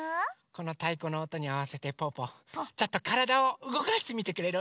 このたいこのおとにあわせてぽぅぽちょっとからだをうごかしてみてくれる？